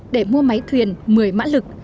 để mua máy thuyền một mươi mã lực